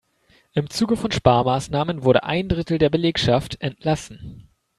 Im Zuge von Sparmaßnahmen wurde ein Drittel der Belegschaft entlassen.